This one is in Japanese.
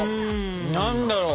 何だろう。